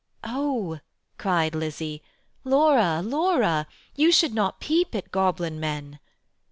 "O," cried Lizzie, "Laura, Laura, You should not peep at goblin men."